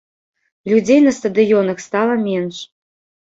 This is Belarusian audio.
Людзей на стадыёнах стала менш.